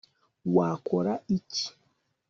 wakora iki